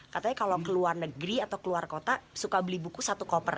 katanya kalau ke luar negeri atau keluar kota suka beli buku satu koper